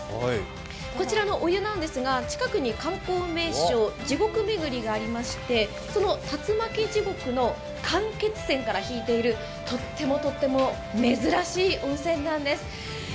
こちらのお湯なんですが近くに観光名所、地獄めぐりがありましてその龍巻地獄の間欠泉から引いている、とってもとっても珍しい温泉なんです。